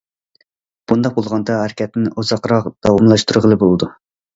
بۇنداق بولغاندا ھەرىكەتنى ئۇزاقراق داۋاملاشتۇرغىلى بولىدۇ.